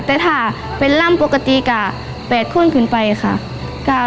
แต่ถ้าเป็นร่ำปกติก็๘คนขึ้นไปค่ะ